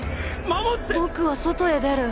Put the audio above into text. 守僕は外へ出る。